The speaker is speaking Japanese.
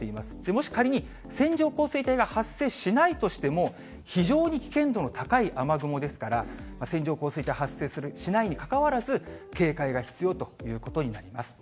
もし、仮に線状降水帯が発生しないとしても、非常に危険度の高い雨雲ですから、線状降水帯発生する、しないにかかわらず、警戒が必要ということになります。